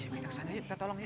kita kesana kita tolong yuk